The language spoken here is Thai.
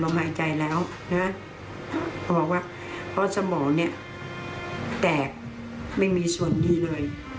เขาบอกว่าเพราะสมองเนี่ยแตกไม่มีส่วนดีเลย